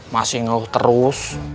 masih ngeluh terus